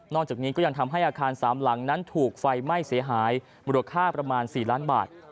จากนี้ก็ยังทำให้อาคาร๓หลังนั้นถูกไฟไหม้เสียหายมูลค่าประมาณ๔ล้านบาท